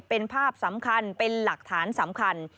เป็นภาพสำคัญเป็นหลักฐานสำคัญ